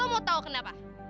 lo mau tau kenapa